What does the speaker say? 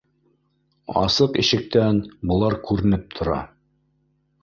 Асыҡ ишектән былар күренеп тора